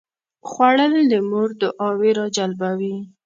خوړل د مور دعاوې راجلبوي